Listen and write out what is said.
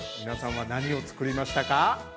皆さんは何を作りましたか？